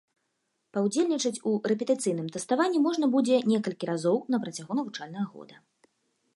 Паўдзельнічаць у рэпетыцыйным тэставанні можна будзе некалькі разоў на працягу навучальнага года.